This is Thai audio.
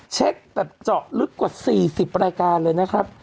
แบบเจาะลึกกว่า๔๐รายการเลยนะครับ